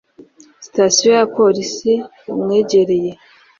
Sitasiyo ya Polisi bumwegereye